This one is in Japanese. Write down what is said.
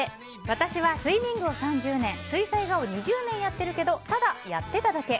私はスイミングを３０年水彩画を２０年やってるけどただやってただけ。